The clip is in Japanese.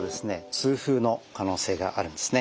痛風の可能性があるんですね。